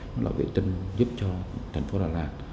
đó là vệ tinh giúp cho thành phố đà lạt